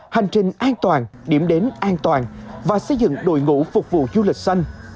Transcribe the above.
hành trình an toàn điểm đến an toàn và xây dựng đội ngũ phục vụ du lịch xanh